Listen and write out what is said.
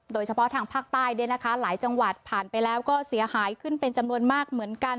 โดยเฉพาะทางภาคใต้หลายจังหวัดผ่านไปแล้วก็เสียหายขึ้นเป็นจำนวนมากเหมือนกัน